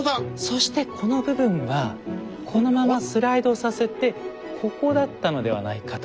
そしてこの部分はこのままスライドさせてここだったのではないかと。